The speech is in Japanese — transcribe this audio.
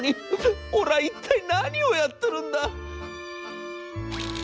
俺は一体何をやってるんだ』」。